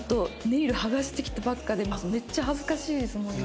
ネイル剥がしてきたばっかでめっちゃ恥ずかしいですもん今。